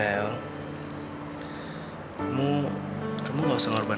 yang memang coba